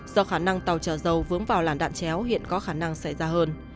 do khả năng tàu trở dầu vướng vào làn đạn chéo hiện có khả năng xảy ra hơn